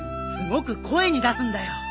すごく声に出すんだよ。